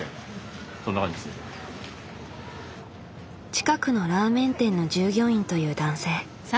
近くのラーメン店の従業員という男性。